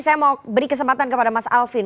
saya mau beri kesempatan kepada mas alvin